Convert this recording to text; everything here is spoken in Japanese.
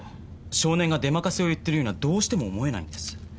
少年が出まかせを言ってるようにはどうしても思えないんです。